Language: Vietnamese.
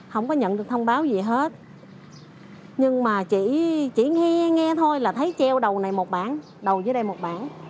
không có nhận được thông báo gì hết nhưng mà chỉ nghe nghe thôi là thấy treo đầu này một bản đầu dưới đây một bản